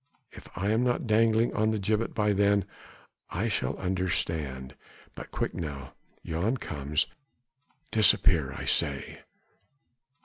If I am not dangling on a gibbet by then, I shall understand. But quick now! Jan comes! Disappear I say!..."